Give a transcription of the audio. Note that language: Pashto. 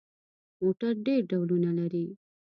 موټر ډېر ډولونه لري.